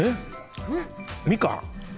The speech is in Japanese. みかん？